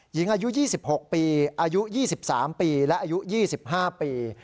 หญิงอายุยี่สิบหกปีอายุยี่สิบสามปีและอายุยี่สิบห้าปี